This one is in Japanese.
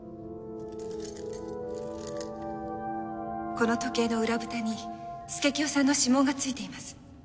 この時計の裏蓋に佐清さんの指紋がついています。